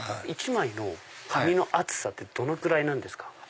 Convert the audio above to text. １枚の紙の厚さってどのくらいなんですか？